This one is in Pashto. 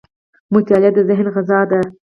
• مطالعه د ذهن غذا ده.